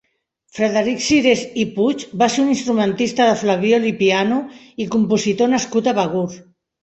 Frederic Sirés i Puig va ser un instrumentista de flabiol i piano, i compositor nascut a Begur.